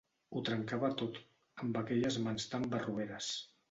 Ho trencava tot, amb aquelles mans tan barroeres.